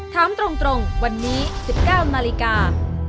ถามตรงวันนี้๑๙นาฬิกา